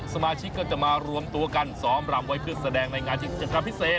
สมาชิกก็จะมารวมตัวกันซ้อมรำไว้เพื่อแสดงในงานกิจกรรมพิเศษ